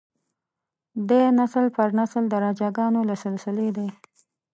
دی نسل پر نسل د راجه ګانو له سلسلې دی.